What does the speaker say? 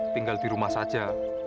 tinggal di rumah saja